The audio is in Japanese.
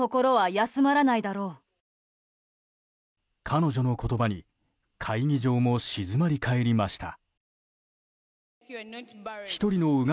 彼女の言葉に会議場も静まりかえりました。